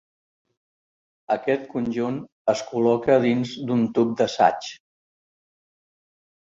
Aquest conjunt es col·loca dins d'un tub d'assaig.